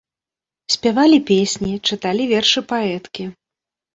Спявалі песні, чыталі вершы паэткі.